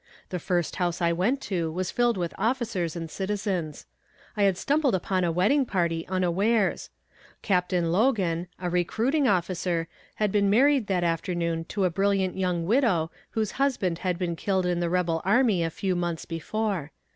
The first house I went to was filled with officers and citizens. I had stumbled upon a wedding party, unawares. Captain Logan, a recruiting officer, had been married that afternoon to a brilliant young widow whose husband had been killed in the rebel army a few months before.